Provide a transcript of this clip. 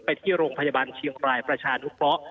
ไปที่โรงพยาบาลเชียงรายประชานุเคราะห์